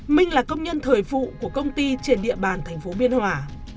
minh là công nhân thời vụ của công ty trên địa bàn thành phố biên hòa